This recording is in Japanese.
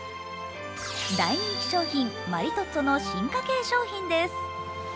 大人気商品・マリトッツォの進化系商品です。